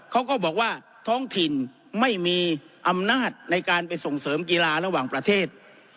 เขาก็บอกว่าท้องถิ่นไม่มีอำนาจในการไปส่งเสริมกีฬาระหว่างประเทศ